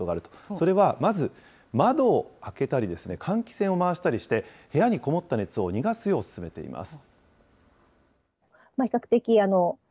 それは、まず窓を開けたり、換気扇を回したりして、部屋にこもった熱を逃がすよう勧めています。